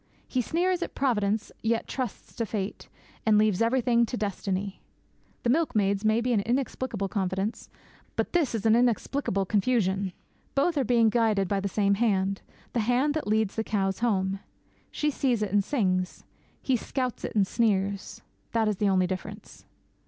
He sneers at 'Providence,' yet trusts to 'fate,' and leaves everything to 'destiny'! The milkmaid's may be an inexplicable confidence; but this is an inexplicable confusion. Both are being guided by the same Hand the Hand that leads the cows home. She sees it and sings. He scouts it and sneers. That is the only difference.